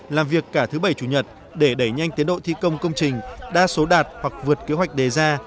làm việc cả thứ bảy chủ nhật để đẩy nhanh tiến độ thi công công trình đa số đạt hoặc vượt kế hoạch đề ra